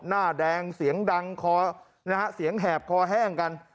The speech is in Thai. หน้าแดงเสียงดังคอแหบเคาะแห้งกัน